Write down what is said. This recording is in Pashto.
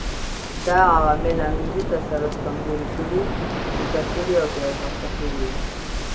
دا عوامل انګریزي تسلط کمزوري کړي، پیکه کړي او بې ارزښته کړي وو.